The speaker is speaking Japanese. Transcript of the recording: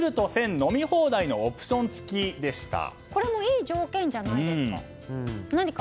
飲み放題のこれもいい条件じゃないですか。